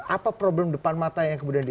apa problem depan mata yang kemudian di